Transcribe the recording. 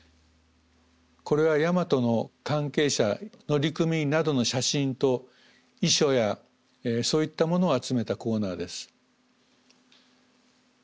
これは大和の関係者乗組員などの写真と遺書やそういったものを集めたコーナーです。